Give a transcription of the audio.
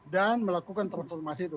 dan melakukan transformasi itu